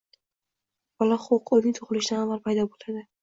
Bola huquqi uning tug‘ilishidan avval paydo bo‘ladi